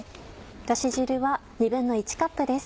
だし汁は１／２カップです。